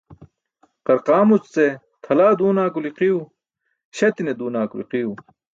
Qarqaamuc ce tʰalaa duuna kuli qiiw, śati̇ne duuna kuli qiiw.